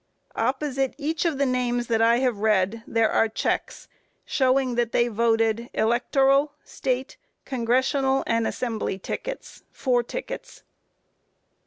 Opposite each of the names that I have read there are checks, showing that they voted Electoral, State, Congressional and Assembly tickets four tickets.